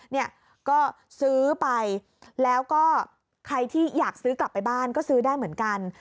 เนี่ยก็ซื้อไปแล้วก็ใครที่อยากซื้อกลับไปบ้านก็ซื้อได้เหมือนกัน